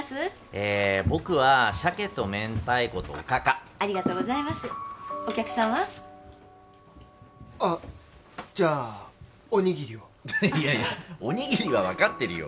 え僕はシャケと明太子とおかかありがとうございますお客さんは？あっじゃあおにぎりをいやいやおにぎりは分かってるよ